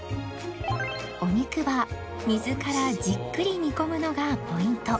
お肉は水からじっくり煮込むのがポイント